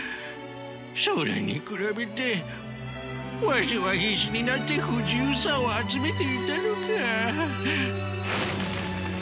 それに比べてわしは必死になって不自由さを集めていたのか。